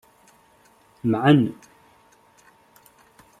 Mɛen.